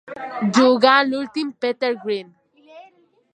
Jugar l'últim Peter Green.